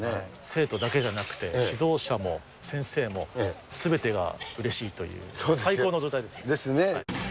生徒だけじゃなくて、指導者も、先生もすべてがうれしいという、最高の状態ですね。ですね。